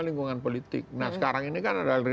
lingkungan politik nah sekarang ini kan adalah